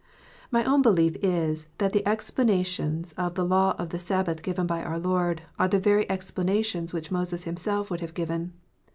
My own belief is, that the explana tions of the law of the Sabbath given by our Lord are the very explanations which Moses himself would have given.